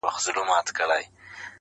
ته پاچا ځان مي وزیر جوړ کړ ته نه وې.!